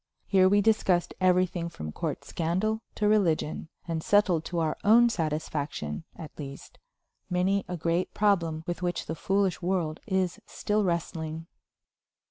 Here we discussed everything from court scandal to religion, and settled to our own satisfaction, at least, many a great problem with which the foolish world is still wrestling.